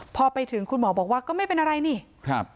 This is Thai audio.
พอไปถึงคุณหมอบอกว่าก็ไม่เป็นอะไรนี่ครับ